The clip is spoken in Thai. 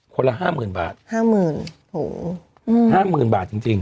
คนละห้าหมื่นบาทห้าหมื่นโหอืมห้าหมื่นบาทจริงจริง